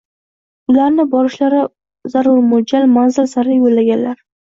ularni borishlari zarur mo'ljal, manzil sari yo'llaganlar.